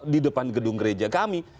di depan gedung gereja kami